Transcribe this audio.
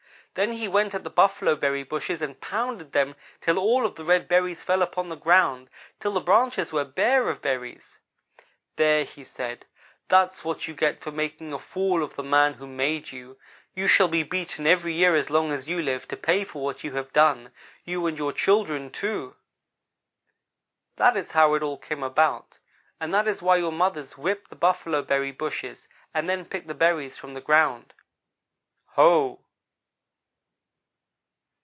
Then he went at the buffalo berry bushes and pounded them till all of the red berries fell upon the ground till the branches were bare of berries. "'There,' he said, 'that's what you get for making a fool of the man who made you. You shall be beaten every year as long as you live, to pay for what you have done; you and your children, too.' "That is how it all came about, and that is why your mothers whip the buffalo berry bushes and then pick the berries from the ground. Ho!"